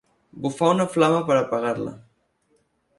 Bufar una flama per apagar-la.